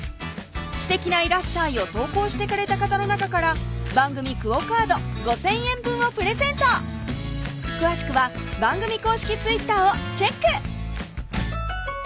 すてきな「いらっしゃい！」を投稿してくれた方の中から番組ＱＵＯカード５，０００円分をプレゼント詳しくは番組公式Ｔｗｉｔｔｅｒをチェック！